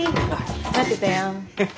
待ってたよ。